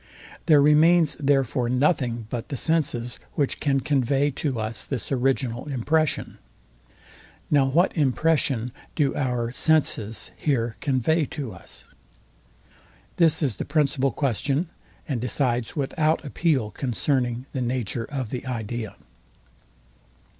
There remains therefore nothing but the senses, which can convey to us this original impression. Now what impression do oar senses here convey to us? This is the principal question, and decides without appeal concerning the nature of the idea.